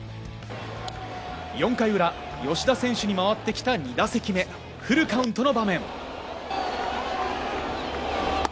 ４回裏、吉田選手に回ってきた２打席目、フルカウントの場面。